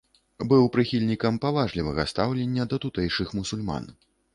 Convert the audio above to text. Быў прыхільнікам паважлівага стаўлення да тутэйшых мусульман.